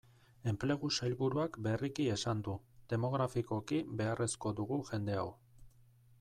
Enplegu sailburuak berriki esan du, demografikoki beharrezko dugu jende hau.